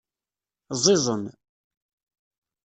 Ẓiẓen.